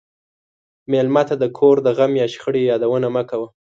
مېلمه ته د کور د غم یا شخړې یادونه مه کوه.